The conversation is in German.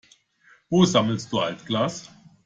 Wo sammelst du Altglas?